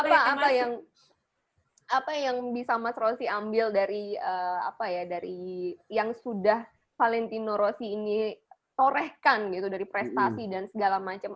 apa yang bisa mas rosy ambil dari apa ya dari yang sudah valentino rosy ini torehkan gitu dari prestasi dan segala macam